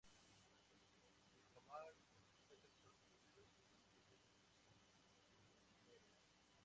Hjalmar Peterson publicó sus escritos en sus cancioneros.